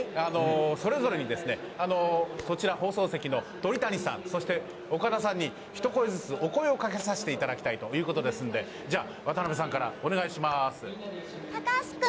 それぞれに、そちら放送席の鳥谷さん、そして岡田さんに一声ずつ、お声をかけさせていただきたいということですので、じゃあ、渡部さんからお願いします。